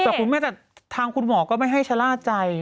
แต่คุณแม่แต่ทางคุณหมอก็ไม่ให้ชะล่าใจ